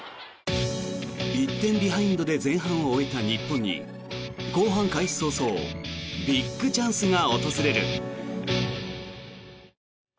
１点ビハインドで前半を終えた日本に後半開始早々ビッグチャンスが訪れる。